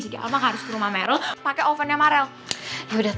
aku mau siap siap ya harus